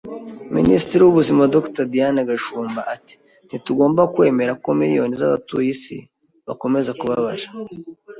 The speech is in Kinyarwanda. Minisitiri w’Ubuzima Dr. Diane Gashumba Ati “Ntitugomba kwemera ko miliyoni z’abatuye isi bakomeza kubabara